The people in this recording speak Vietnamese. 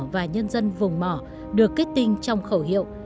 và nhân dân vùng mỏ được kết tinh trong khẩu hiệu